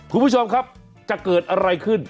คุณผู้ชมครับจะเกิดอะไรขึ้น